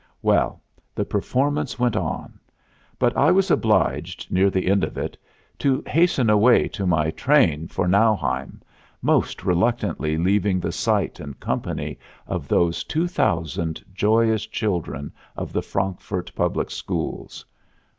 Well, the performance went on; but I was obliged, near the end of it, to hasten away to my train for Nauheim, most reluctantly leaving the sight and company of those two thousand joyous children of the Frankfurt public schools.